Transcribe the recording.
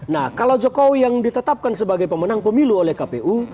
nah kalau jokowi yang ditetapkan sebagai pemenang pemilu oleh kpu